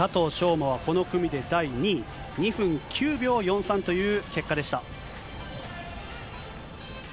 馬はこの組で第２位、２分９秒４３という結果でした。